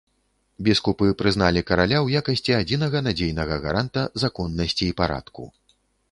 Біскупы прызналі караля ў якасці адзінага надзейнага гаранта законнасці і парадку.